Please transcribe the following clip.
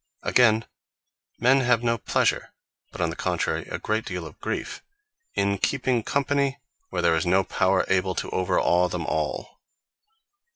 Againe, men have no pleasure, (but on the contrary a great deale of griefe) in keeping company, where there is no power able to over awe them all.